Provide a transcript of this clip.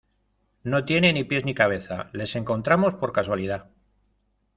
no tiene ni pies ni cabeza. les encontramos por casualidad .